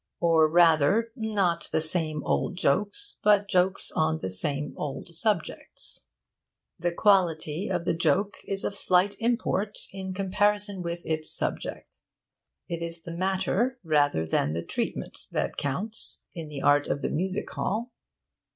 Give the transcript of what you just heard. Or rather, not the same old jokes, but jokes on the same old subjects. The quality of the joke is of slight import in comparison with its subject. It is the matter, rather than the treatment, that counts, in the art of the music hall.